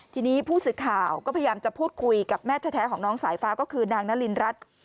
ทีนี้ผู้สื่อข่าวก็พยายามจะพูดคุยกับแม่แท้ของน้องสายฟ้าก็คือนางนารินรัฐ